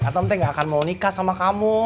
atem tuh gak akan mau nikah sama kamu